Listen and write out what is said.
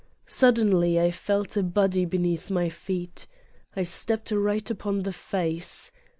Suddenly I felt a body beneath my feet. I stepped right upon the face.